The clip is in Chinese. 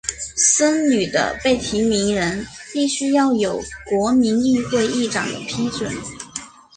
僧侣的被提名人必须要有国民议会议长的批准。